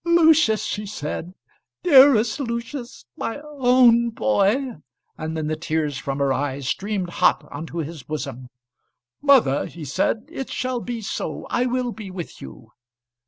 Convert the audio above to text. "Lucius," she said; "dearest Lucius! my own boy!" And then the tears from her eyes streamed hot on to his bosom. "Mother," he said, "it shall be so. I will be with you."